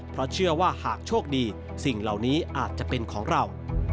เพราะเชื่อว่าหากโชคดีสิ่งเหล่านี้อาจจะเป็นของเรา